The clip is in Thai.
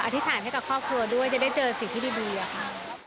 ธิษฐานให้กับครอบครัวด้วยจะได้เจอสิ่งที่ดีอะค่ะ